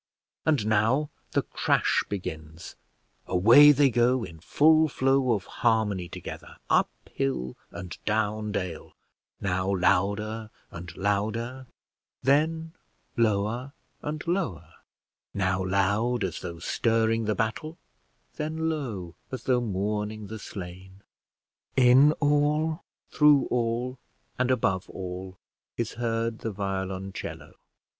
And now the crash begins: away they go in full flow of harmony together, up hill and down dale, now louder and louder, then lower and lower; now loud, as though stirring the battle; then low, as though mourning the slain. In all, through all, and above all, is heard the violoncello.